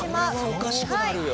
これはおかしくなるよ。